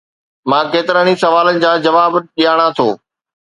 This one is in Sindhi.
مان ڪيترن ئي سوالن جا جواب ڄاڻان ٿو